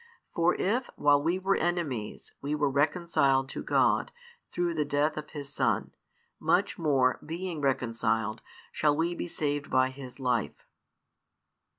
For if, while we were enemies, we were reconciled to God, through the death of His Son, much more, being reconciled, shall we be saved by His life.